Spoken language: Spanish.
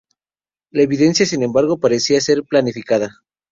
La evidencia sin embargo, parecía ser planificada.